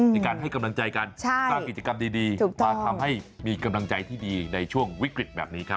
ในการให้กำลังใจกันสร้างกิจกรรมดีมาทำให้มีกำลังใจที่ดีในช่วงวิกฤตแบบนี้ครับ